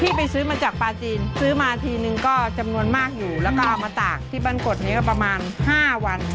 ไปซื้อมาจากปลาจีนซื้อมาทีนึงก็จำนวนมากอยู่แล้วก็เอามาตากที่บ้านกดนี้ก็ประมาณ๕วัน